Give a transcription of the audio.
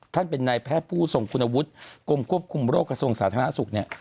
ท่านเป็นนายแพทย์ผู้ทรงคุณวุฒิกรมควบคุมโรคกระทรวงสาธารณสุขเนี่ย